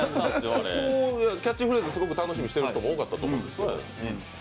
そこ、キャッチフレーズをすごく楽しみにしている人も多かったでしょうけど。